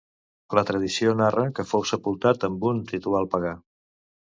La tradició narra que fou sepultat amb un ritual pagà.